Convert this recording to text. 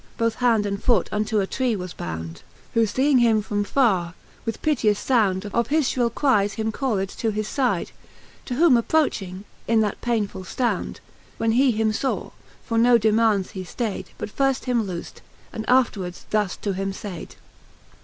Both hand and foote unto a tree was bound; Who feeing him from farre, with piteous found Of his fhrill cries him called to his aide. To whom approching, in that painefull ftound When he him faw, for no demaunds he ftaide, But firft him lofde, and afterwards thus to him laide.